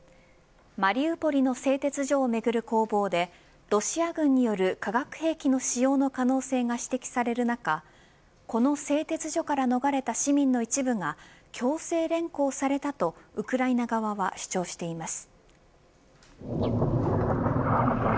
マリウポリの製鉄所をめぐる攻防でロシア軍による化学兵器の使用の可能性が指摘される中この製鉄所から逃れた市民の一部が強制連行されたとウクライナ側は主張しています。